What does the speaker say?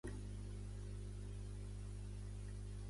Què sé jo! D'on treus els diners, doncs, per sostenir el luxe?